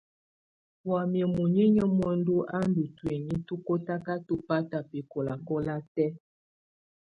Wamɛ̀á muninyǝ́ muǝndu a ndù ntuinyii tu kɔtakatɔ bata bɛkɔlakɔla tɛ̀á.